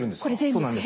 そうなんです。